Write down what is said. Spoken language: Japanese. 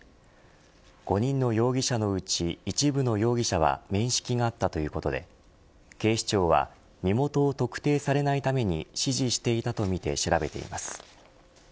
５人の容疑者のうち一部の容疑者は面識があったということで警視庁は身元を特定されないために指示していたとみて調べています。